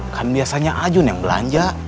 kan biasanya ajun yang belanja